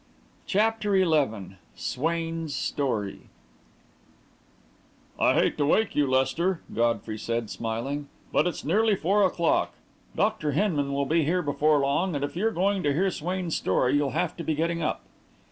CHAPTER XI SWAIN'S STORY "I hate to wake you, Lester," Godfrey said, smiling, "but it's nearly four o'clock. Dr. Hinman will be here before long, and if you're going to hear Swain's story, you'll have to be getting up."